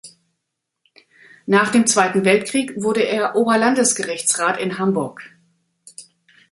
Nach dem Zweiten Weltkrieg wurde er Oberlandesgerichtsrat in Hamburg.